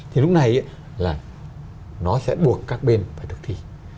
thì lúc này là nó sẽ buộc các bên phải thực thi